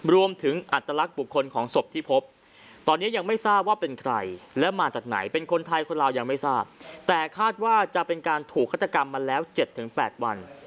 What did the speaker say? อัตลักษณ์บุคคลของศพที่พบตอนนี้ยังไม่ทราบว่าเป็นใครแล้วมาจากไหนเป็นคนไทยคนลาวยังไม่ทราบแต่คาดว่าจะเป็นการถูกฆาตกรรมมาแล้ว๗๘วัน